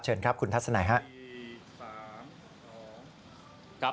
เชิญครับคุณทัศนัยครับ